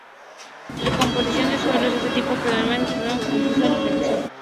La composición de los suelos es de tipos predominantes feozem, cambisol y regosol.